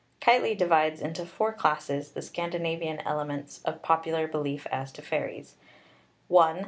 Keightley divides into four classes the Scandinavian elements of popular belief as to fairies, viz.